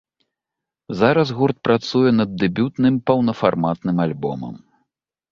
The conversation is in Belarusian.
Зараз гурт працуе над дэбютным паўнафарматным альбомам.